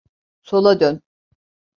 Sola dön.